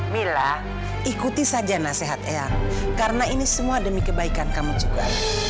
mila ikuti saja nasihat eyang karena ini semua demi kebaikan kamu juga